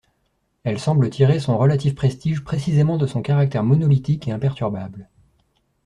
Elle semble tirer son relatif prestige précisément de son caractère monolithique et imperturbable.